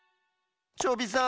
チョビさん。